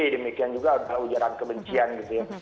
demikian juga ujaran kebencian gitu ya